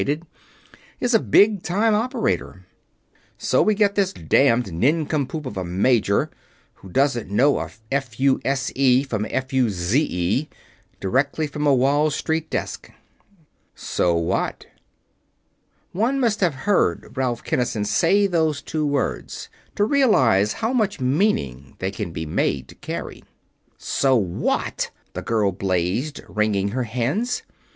is a Big Time Operator. So we get this damned nincompoop of a major, who doesn't know a f u s e from a f u z e, direct from a Wall Street desk." "So what?" One must have heard Ralph Kinnison say those two words to realize how much meaning they can be made to carry. "So what!" the girl blazed, wringing her hands.